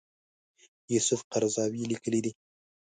یوسف قرضاوي لیکلي دي.